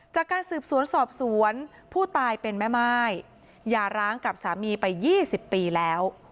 จากการสืบสวนสอบสวนผู้ตายเป็นแม่ม่ายอย่าร้างกับสามีไป๒๐ปีแล้ว